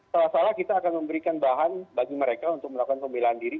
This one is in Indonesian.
salah salah kita akan memberikan bahan bagi mereka untuk melakukan pembelaan diri